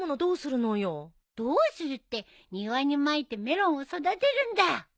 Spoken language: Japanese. どうするって庭にまいてメロンを育てるんだよ。